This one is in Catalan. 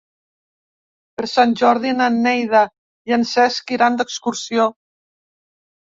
Per Sant Jordi na Neida i en Cesc iran d'excursió.